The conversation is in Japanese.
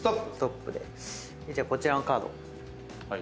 じゃあこちらのカード。